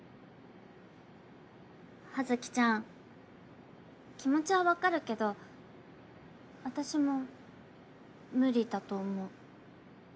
葉月ちゃん気持ちは分かるけど私も無理だと思う。